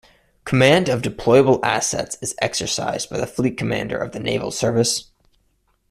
Command of deployable assets is exercised by the Fleet Commander of the Naval Service.